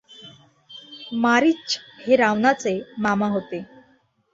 मारिच हे रावणाचे मामा होते.